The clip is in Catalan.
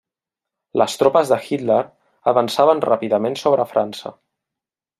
Les tropes de Hitler avançaven ràpidament sobre França.